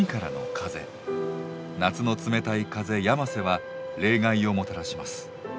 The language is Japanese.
夏の冷たい風ヤマセは冷害をもたらします。